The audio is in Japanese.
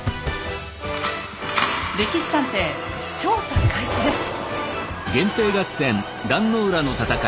「歴史探偵」調査開始です。